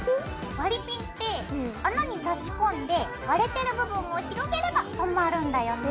割りピンって穴に差し込んで割れてる部分を広げればとまるんだよね。